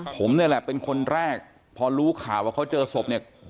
ผมนี่แหละเป็นคนแรกพอรู้ข่าวว่าเขาเจอศพเนี่ย